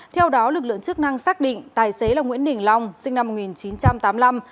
theo đó lực lượng chức năng xác định tài xế là nguyễn đình long sinh năm một nghìn chín trăm tám mươi năm